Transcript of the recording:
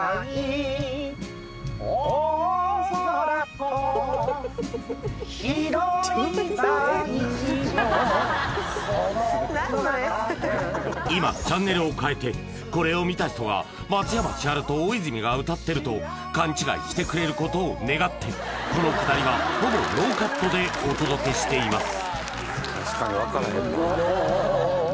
もう今チャンネルを変えてこれを見た人が「松山千春と大泉が歌ってる」と勘違いしてくれることを願ってこのくだりはほぼノーカットでお届けしています